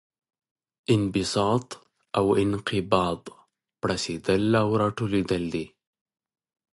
انبساط او انقباض پړسیدل او راټولیدل دي.